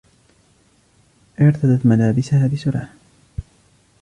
ارتدت ملابسها بسرعة.